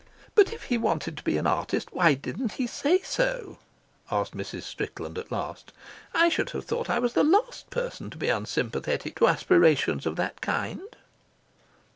"But if he wanted to be an artist, why didn't he say so?" asked Mrs. Strickland at last. "I should have thought I was the last person to be unsympathetic to to aspirations of that kind."